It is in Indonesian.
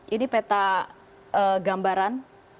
ini peta gambaran